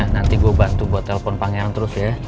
nanti gue bantu buat telepon pangeran terus ya